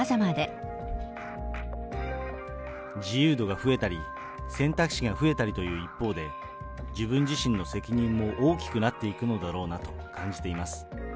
自由度が増えたり、選択肢が増えたりという一方で、自分自身の責任も大きくなっていくのだろうなと感じています。